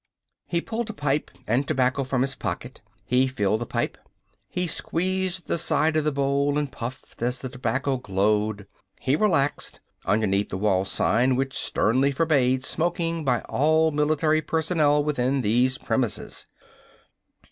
He pulled a pipe and tobacco from his pocket. He filled the pipe. He squeezed the side of the bowl and puffed as the tobacco glowed. He relaxed, underneath the wall sign which sternly forbade smoking by all military personnel within these premises.